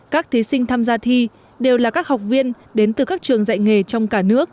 các thí sinh tham gia thi đều là các học viên đến từ các trường